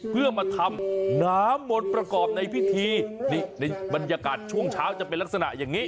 เพื่อมาทำน้ำมนต์ประกอบในพิธีนี่ในบรรยากาศช่วงเช้าจะเป็นลักษณะอย่างนี้